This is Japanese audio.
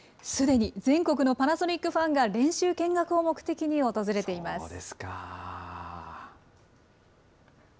すでに全国のパナソニックファンが練習見学を目的に訪れています。